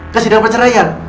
ke sidang perceraian